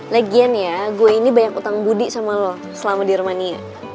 legian ya gue ini banyak utang budi sama lo selama di rumania